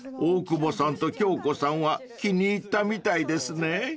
大久保さんと京子さんは気に入ったみたいですね］